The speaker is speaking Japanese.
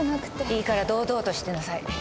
いいから堂々としてなさい。